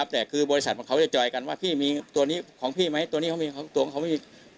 แต่คือบริษัทเขาจะจอยกันว่าพี่มีตัวนี้ของพี่ไหมตัวนี้เขาไม่มี